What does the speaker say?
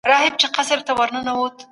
سړی آزار کي